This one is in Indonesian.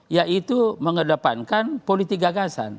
yaitu mengedepankan politik gagasan